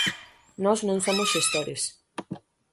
Nós non somos xestores.